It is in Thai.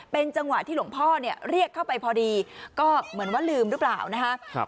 เป็นจังหวะที่หลวงพ่อเนี่ยเรียกเข้าไปพอดีก็เหมือนว่าลืมหรือเปล่านะครับ